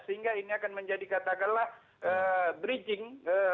sehingga ini akan menjadi katakanlah bridging